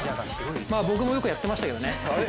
まあ、僕もよくやってましたけどね